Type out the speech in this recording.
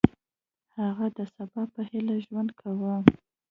هغه د سبا په هیله ژوند کاوه.